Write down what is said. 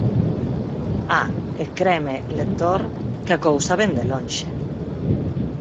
Ah, e creme, lector, que a cousa vén de lonxe.